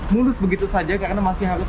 mulus begitu saja karena masih harus